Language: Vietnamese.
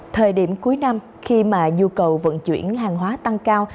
thời điểm cuối năm khi mà nhu cầu vận chuyển hàng hóa tăng cao